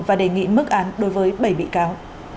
và đề nghị mức án đối với bảy bị cáo